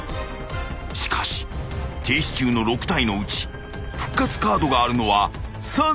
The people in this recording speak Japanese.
［しかし停止中の６体のうち復活カードがあるのは３体］